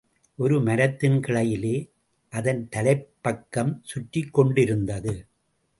ஒரு மரத்தின் கிளையிலே அதன் தலைப்பக்கம் சுற்றிக்கொண்டிருந்தது.